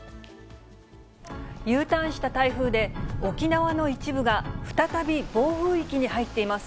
Ｕターンした台風で、沖縄の一部が再び暴風域に入っています。